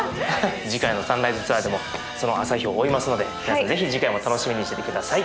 次回のサンライズツアーでも朝日を追いますので皆さんぜひ次回も楽しみにしてて下さい。